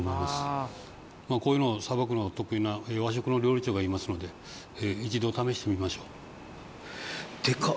こういうのをさばくのが得意な和食の料理長がいますので一度試してみましょう。